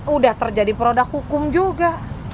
udah terjadi produk hukum juga